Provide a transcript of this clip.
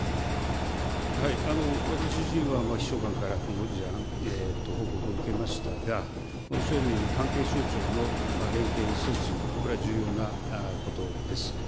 私自身は秘書官からこの事案、報告を受けましたが、おっしゃるように関係省庁の連携、意思疎通、これは重要なことです。